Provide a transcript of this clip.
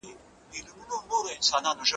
ډاکټران وايي چې د لاسونو پاکوالی نیمه روغتیا ده.